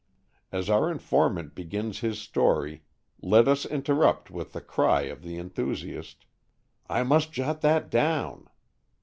As our informant begins his story, let us interrupt with the cry of the enthusiast, "I must jot that down!"